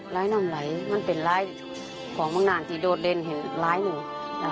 ไหลน้ำไหลมันเป็นไหลของบางนานที่โดดเด้นเห็นไหลหนึ่ง